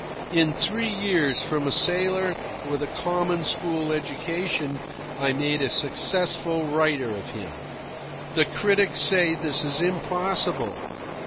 In three years, from a sailor with a common school education, I made a successful writer of him. The critics say this is impossible.